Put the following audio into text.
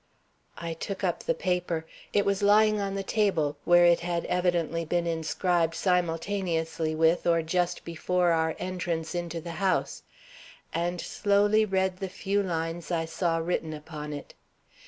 I took up the paper. It was lying on the table, where it had evidently been inscribed simultaneously with or just before our entrance into the house, and slowly read the few lines I saw written upon it.